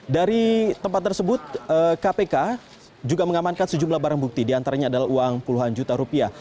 dari tempat tersebut kpk juga mengamankan sejumlah barang bukti diantaranya adalah uang puluhan juta rupiah